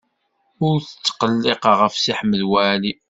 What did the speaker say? Ur tetqellqeḍ ɣef Si Ḥmed Waɛli.